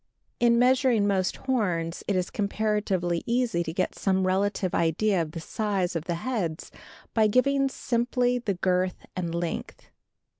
In measuring most horns it is comparatively easy to get some relative idea of the size of the heads by giving simply the girth and length.